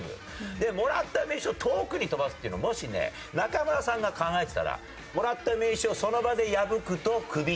で「もらった名刺を遠くに飛ばす」っていうのをもしね中村さんが考えてたら「もらった名刺をその場で破くとクビ」ってすると思うんです。